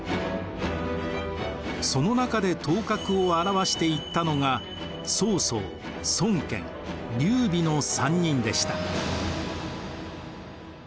その中で頭角を現していったのが曹操孫権劉備の３人でした。